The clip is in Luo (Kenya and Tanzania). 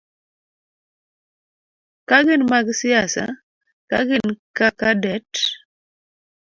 Ka ginmag siasa ka gin kaka det-